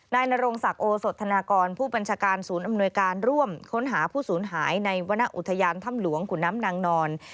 นายนโรงศักดิ์โอสธนากรผู้บัญชาการสอรร่วมค้นหาผู้สูญหายในวณอุทยานถ้ำหลวงขุนน้ำนางนอน